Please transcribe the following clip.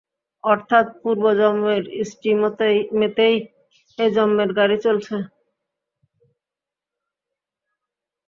অর্থাৎ পূর্বজন্মের ইস্টিমেতেই এ জন্মের গাড়ি চলছে।